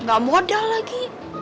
gak modal lagi